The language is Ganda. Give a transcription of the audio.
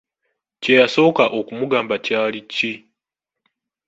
Kye yasooka okumugamba kyali ki?